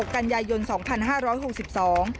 ๒๖กันใหญ่ยนต์สองพันห้าร้อยหกสิบสอง